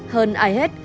hơn ai hết